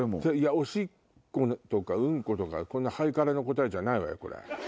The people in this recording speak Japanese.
おしっことかうんことかハイカラな答えじゃないわよ。